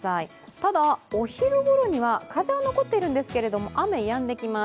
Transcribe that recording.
ただお昼ごろには風は残ってるんですけど、雨はやんできます。